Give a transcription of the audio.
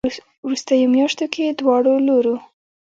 ه وروستيو مياشتو کې دواړو لورو